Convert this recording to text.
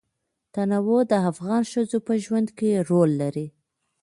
تنوع د افغان ښځو په ژوند کې رول لري.